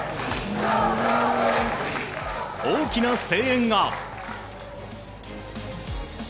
大きな声援が。